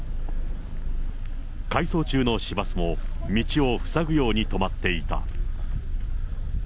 回送中の市バスも、道を塞ぐように止まっていた。